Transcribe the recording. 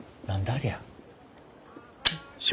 ありゃ。